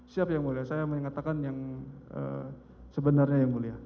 siap ya mulia saya mengatakan yang sebenarnya ya mulia